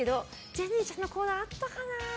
ジェニーちゃんのコーナーあったかな。